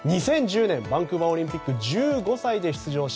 ２０１０年にバンクーバーオリンピック１５歳で出場。